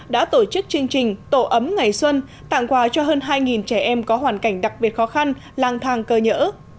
đã tổ chức chương trình tổ ấm ngày xuân tặng quà cho hơn hai trẻ em có hoàn cảnh đặc biệt khó khăn lang thang cơ nhỡ